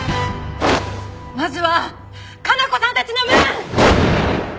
まずは加奈子さんたちの分！